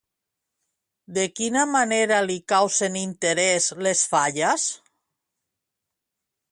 De quina manera li causen interès les Falles?